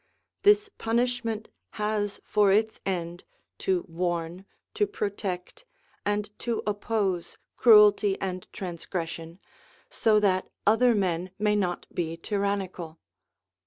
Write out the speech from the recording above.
This punish ment has for its end to warn, to protect, and to oppose cruelty and transgression, so that other men may not be tyrannical.